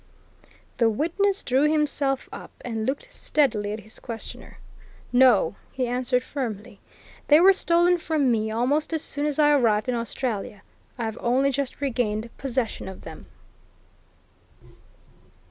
The witness drew himself up and looked steadily at his questioner. "No!" he answered firmly. "They were stolen from me almost as soon as I arrived in Australia. I have only just regained possession of them."